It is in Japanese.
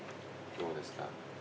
どうですか？